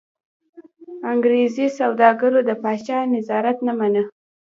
انګرېزي سوداګرو د پاچا نظارت نه مانه.